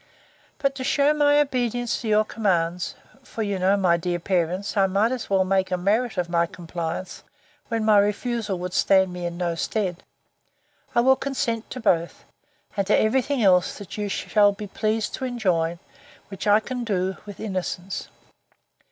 But, to shew my obedience to your commands, (for you know, my dear parents, I might as well make a merit of my compliance, when my refusal would stand me in no stead,) I will consent to both; and to every thing else, that you shall be pleased to enjoin, which I can do, with innocence.